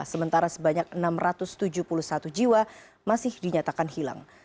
sementara sebanyak enam ratus tujuh puluh satu jiwa masih dinyatakan hilang